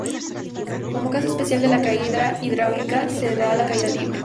Como caso especial de la caída hidráulica se da la caída libre.